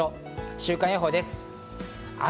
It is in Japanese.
週間予報です。